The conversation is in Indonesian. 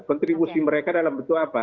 kontribusi mereka dalam bentuk apa